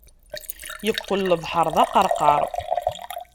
Iqqel lebḥeṛ d aqerqar.